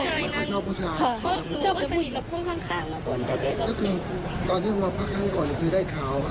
รายภาพไม่ได้สมมุติพันธุ์ที่หลิงแหละ